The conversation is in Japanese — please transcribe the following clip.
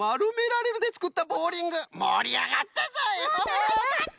たのしかった！